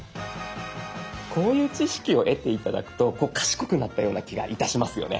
こういう知識を得て頂くと賢くなったような気がいたしますよね。